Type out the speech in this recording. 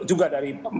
juga dari pak juli